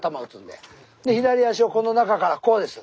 で左足をこの中からこうです。